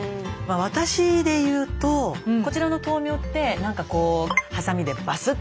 私で言うとこちらの豆苗って何かこうはさみでバスッて。